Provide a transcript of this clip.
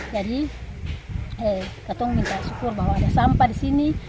jadi kata kata minta syukur bahwa ada sampah di sini